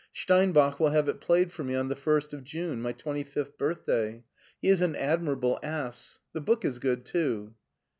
Steinbach will have it played for me on the first of June, my twenty fifth birthday. He is an admirable ass. The book is good, too."